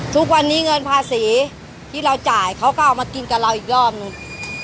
ทุกวันนี้เงินภาษีที่เราจ่ายเขาก็เอามากินกับเราอีกรอบนึง